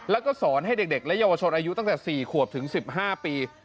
แล้วก็สอนให้เด็กและเยาวชนอายุตั้งแต่๔ขวบถึง๑๕ปี